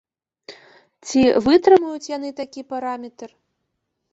Ці вытрымаюць яны такі параметр?